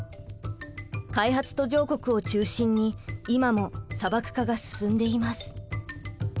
開発途上国を中心に今も砂漠化が進んでいます。